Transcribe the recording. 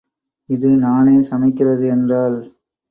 இது நானே சமைக்கிறது என்றாள்.